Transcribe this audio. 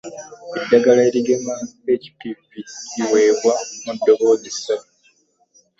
Eddagala erigema HPV liweebwa mu ddoozi ssatu.